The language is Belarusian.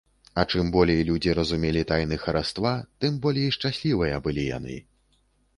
А чым болей людзі разумелі тайны хараства, тым болей шчаслівыя былі яны.